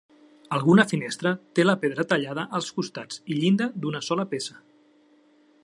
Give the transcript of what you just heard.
Alguna finestra té la pedra tallada als costats i llinda d'una sola peça.